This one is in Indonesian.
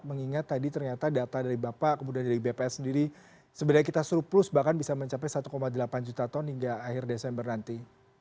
mengingat tadi ternyata data dari bapak kemudian dari bps sendiri sebenarnya kita surplus bahkan bisa mencapai satu delapan juta ton hingga akhir desember nanti